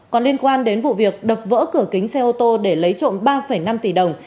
còn liên quan đến vụ việc đập vỡ cửa kính xe ô tô để lấy trộm ba năm tỷ đồng